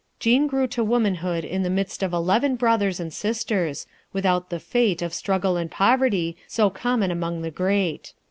Jean grew to womanhood in the midst of eleven brothers and sisters, without the fate of struggle and poverty, so common among the great.